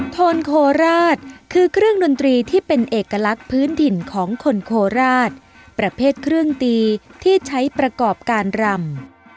โทนโคราชคือเครื่องดนตรีที่เป็นเอกลักษณ์พื้นถิ่นของคนโคราชประเภทเครื่องตีที่ใช้ประกอบการรำ